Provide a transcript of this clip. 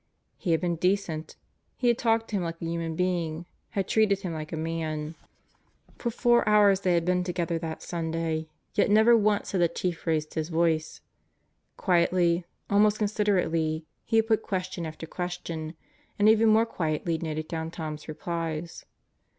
He had been decent. He had talked to him like a human being; had treated him like a man. For four hours 16 God Goes to Murderer's Row they had been together that Sunday, yet never once had the Chief raised his voice. Quietly, almost considerately, he had put question after question; and even more quietly noted down Tom's replies.